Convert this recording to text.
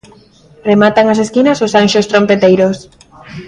Rematan as esquinas os anxos trompeteiros.